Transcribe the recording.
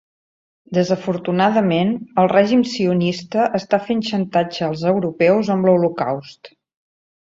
Desafortunadament, el règim sionista està fent xantatge als europeus amb l'Holocaust.